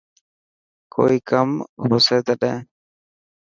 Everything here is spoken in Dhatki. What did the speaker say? ڪوئي ڪم هو سي تٽهن.